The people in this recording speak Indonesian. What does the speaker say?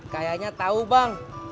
kayaknya tahu bang